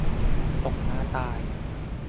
ตกม้าตาย